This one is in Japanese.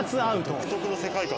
独特の世界観。